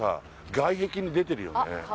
外壁に出てるよね